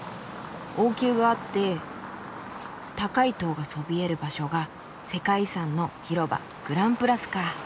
王宮があって高い塔がそびえる場所が世界遺産の広場グランプラスかあ。